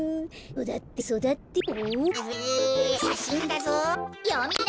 そだってるそだってる。